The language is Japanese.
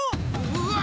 うわ！